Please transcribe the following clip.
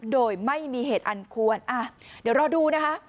โดยไม่มีเหตุอันควรเดี๋ยวรอดูนะคะ